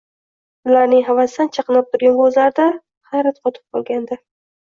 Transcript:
Ularning havasdan chaqnab turgan ko‘zlarida hayrat qotib qolgandi: